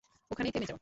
ওখানেই থেমে যাও!